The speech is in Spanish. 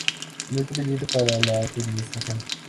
Muy conveniente para la auto administración.